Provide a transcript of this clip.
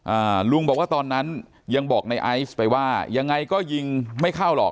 อ่าลุงบอกว่าตอนนั้นยังบอกในไอซ์ไปว่ายังไงก็ยิงไม่เข้าหรอก